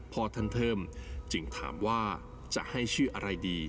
พ่อท่านเทิมจึงถามว่าจะให้ชื่ออะไรดี